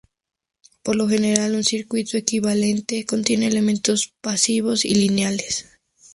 Por lo general, un circuito equivalente contiene elementos pasivos y lineales.